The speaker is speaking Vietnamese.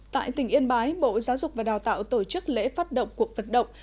tại tỉnh yên bái bộ giáo dục và đào tạo tổ chức lễ phát động cuộc vận động